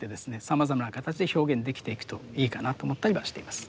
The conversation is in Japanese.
さまざまな形で表現できていくといいかなと思ったりはしています。